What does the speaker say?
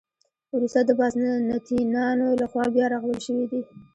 وروسته د بازنطینانو له خوا بیا رغول شوې دي.